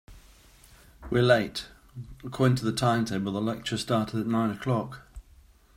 We're late! According to the timetable, the lecture started at nine o'clock